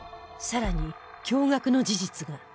さらに驚愕の事実が！